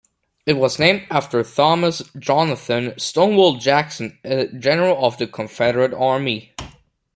It was named after Thomas Jonathan "Stonewall" Jackson, a general of the Confederate Army.